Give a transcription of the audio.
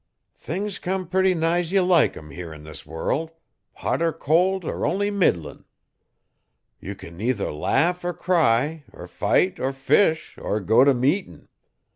Things came puny nigh's ye like 'em here 'n this world hot er cold er only middlin'. Ye can either laugh er cry er fight er fish er go if meetin'.